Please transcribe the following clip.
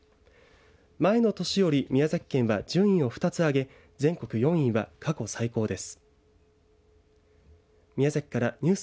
前の年より宮崎県は順位を２つ上げ全国４位は過去最高です。